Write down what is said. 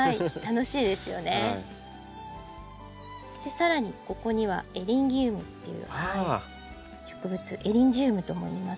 さらにここにはエリンギウムっていう植物エリンジウムともいいますが。